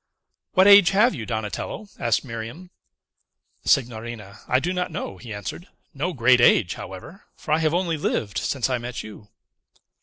"What age have you, Donatello?" asked Miriam. "Signorina, I do not know," he answered; "no great age, however; for I have only lived since I met you."